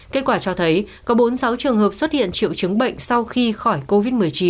kết quả cho thấy có bốn mươi sáu trường hợp xuất hiện triệu chứng bệnh sau khi khỏi covid một mươi chín